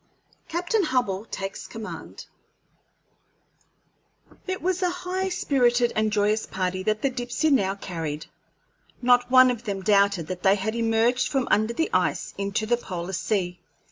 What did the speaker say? CAPTAIN HUBBELL TAKES COMMAND It was a high spirited and joyous party that the Dipsey now carried; not one of them doubted that they had emerged from under the ice into the polar sea.